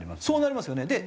そうなりますよね。